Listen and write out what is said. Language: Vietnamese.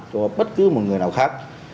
cho bất cứ một người nào khác